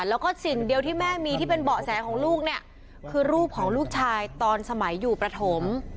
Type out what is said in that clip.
แล้วก็สิ่งเดียวที่แม่มีที่เป็นเบาะแสของลูกเนี่ยคือรูปของลูกชายตอนสมัยอยู่ประถม